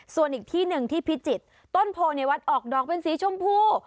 ส่วนอีกที่หนึ่งที่พิจิตรต้นโพในวัดออกดอกเป็นสีชมพู